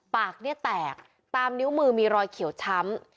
ปากเนี่ยแตกตามนิ้วมือมีรอยเขียวช้ำ